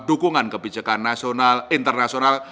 dukungan kebijakan nasional internasional